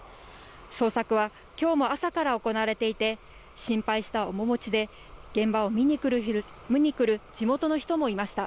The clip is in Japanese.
捜索はきょうも朝から行われていて心配した面持ちで現場を見にくる地元の人もいました。